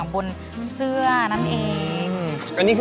สวัสดีค่ะสวัสดีค่ะ